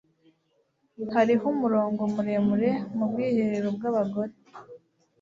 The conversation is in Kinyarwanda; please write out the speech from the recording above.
Hariho umurongo muremure mu bwiherero bwabagore.